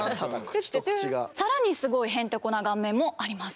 更にすごいへんてこな顔面もあります。